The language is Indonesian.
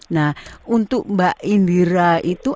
nah untuk mbak indira itu